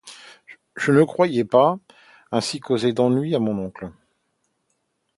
Je ne croyais pas ainsi causer d’ennuis à mon oncle.